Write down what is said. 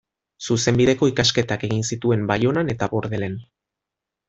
Zuzenbideko ikasketak egin zituen Baionan eta Bordelen.